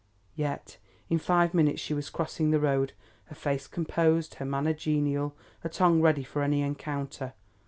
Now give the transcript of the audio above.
Yet in five minutes she was crossing the road, her face composed, her manner genial, her tongue ready for any encounter.